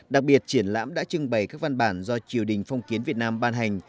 đặc biệt triển lãm đã trưng bày các văn bản do triều đình phong kiến việt nam ban hành